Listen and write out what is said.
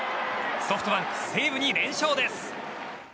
ソフトバンク、西武に連勝です。